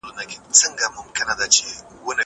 زه اجازه لرم چي ځواب وليکم!!!!